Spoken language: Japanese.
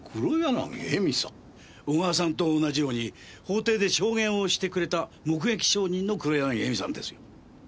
小川さんと同じように法廷で証言をしてくれた目撃証人の黒柳恵美さんですよ。